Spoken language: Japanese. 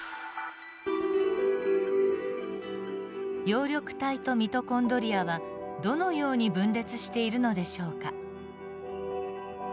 葉緑体とミトコンドリアはどのように分裂しているのでしょうか。